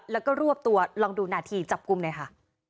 แล้วก็รวบตัวลองดูนาทีจับกลุ่มหน่อยค่ะ